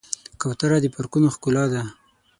کوتره د پارکونو ښکلا ده.